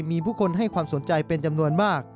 มีผู้คนให้ความสนใจเป็นจำนวนมาก